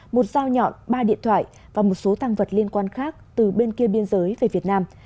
một dao nhọn ba điện thoại và một số tăng vật liên quan khác từ bên kia biên giới về việt nam